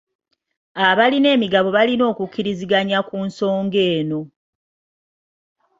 Abalina emigabo balina okukkiriziganya ku nsonga eno.